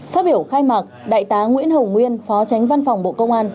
phát biểu khai mạc đại tá nguyễn hồng nguyên phó tránh văn phòng bộ công an